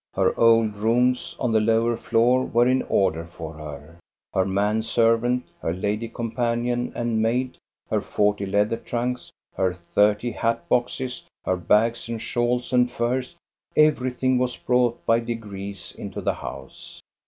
Her old rooms on the lower floor were in order for her. Her man servant, her lady com panion, and maid, her forty leather trunks, her thirty hat boxes, her bags and shawls and furs, everything was brought by degrees into the house.